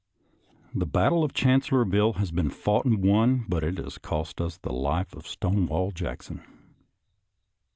The battle of Chancellorsville has been fought and won, but it has cost us the life of Stonewall Jackson.